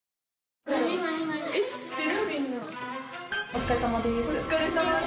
お疲れさまです。